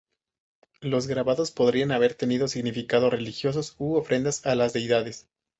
Los grabados podrían haber tenido significados religiosos u ofrendas a las deidades.